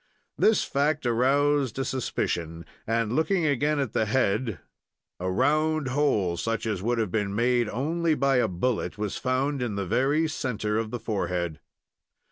This fact aroused a suspicion, and, looking again at the head, a round hole, such as would have been made only by a bullet, was found in the very centre of the forehead.